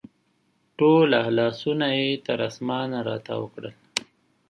ټوله لاسونه یې تر اسمان راتاو کړل